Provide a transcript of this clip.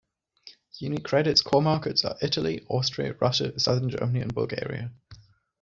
UniCredit's core markets are Italy, Austria, Russia, Southern Germany and Bulgaria.